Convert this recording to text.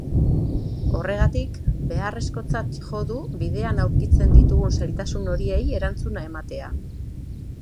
Horregatik, beharrezkotzat jo du bidean aurkitzen ditugun zailtasun horiei erantzuna ematea.